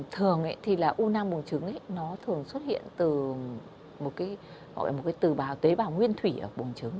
thường thì là u nang bùng trứng nó thường xuất hiện từ một cái tế bào nguyên thủy ở bùng trứng